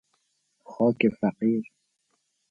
خاک فقیر